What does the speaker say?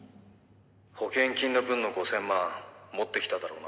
「保険金の分の５０００万持ってきただろうな？」